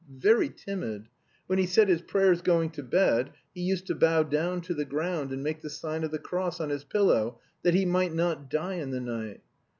very timid. When he said his prayers going to bed he used to bow down to the ground, and make the sign of the cross on his pillow that he might not die in the night....